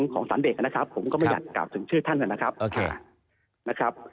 ของสารเด็กนะครับผมก็ไม่อยากกล่าวถึงชื่อท่านนะครับ